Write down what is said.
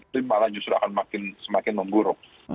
tapi malah justru akan semakin mengguruk